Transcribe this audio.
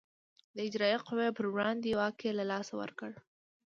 د اجرایه قوې پر وړاندې واک یې له لاسه ورکړ.